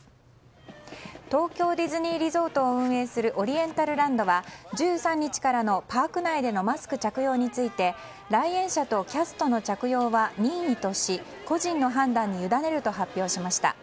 東京ディズニーリゾートを運営するオリエンタルランドは１３日からのパーク内でのマスク着用について来園者とキャストの着用は任意とし個人の判断に委ねると発表しました。